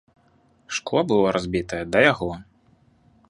Шкло было разбітае да яго.